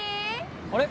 あれ？